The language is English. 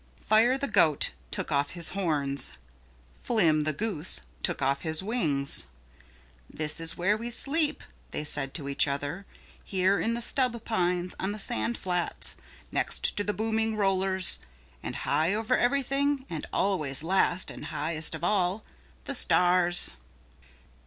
Fire the Goat took off his horns. Flim the Goose took off his wings. "This is where we sleep," they said to each other, "here in the stub pines on the sand flats next to the booming rollers and high over everything and always last and highest of all, the stars."